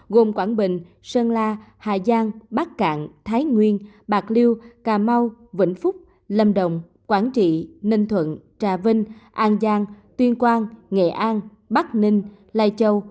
gồm quảng bình sơn la hà giang bắc cạn thái nguyên bạc liêu cà mau vĩnh phúc lâm đồng quảng trị ninh thuận trà vinh an giang tuyên quang nghệ an bắc ninh lai châu